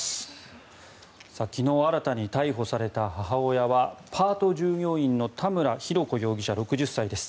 昨日、新たに逮捕された母親はパート従業員の田村浩子容疑者６０歳です。